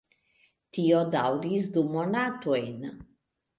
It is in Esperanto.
Tio daŭris du monatojn.